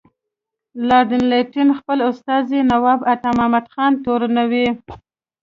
لارډ لیټن خپل استازی نواب عطامحمد خان تورنوي.